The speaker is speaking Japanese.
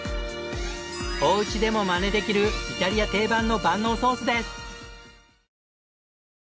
おうちでもマネできるイタリア定番の万能ソースです！